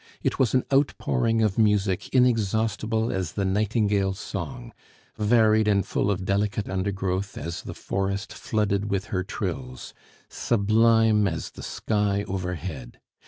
It was an outpouring of music inexhaustible as the nightingale's song varied and full of delicate undergrowth as the forest flooded with her trills; sublime as the sky overhead.